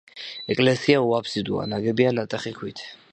ეკლესია უაფსიდოა, ნაგებია ნატეხი ქვით.